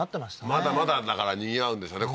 まだまだだからにぎわうんでしょうね